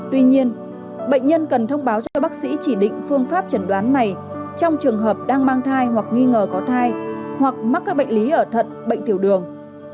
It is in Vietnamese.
tuy nhiên bệnh nhân cần thông báo cho bác sĩ chỉ định phương pháp chẩn đoán này trong trường hợp đang mang thai hoặc nghi ngờ có thai hoặc mắc các bệnh lý ở thận bệnh tiểu đường